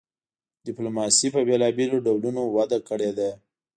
ډیپلوماسي په بیلابیلو ډولونو وده کړې ده